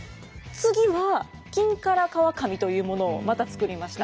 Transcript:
次は金唐革紙というものをまた作りました。